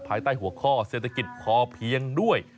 ภายใต้หัวข้อเศรษฐกิจพอเพียงด้วย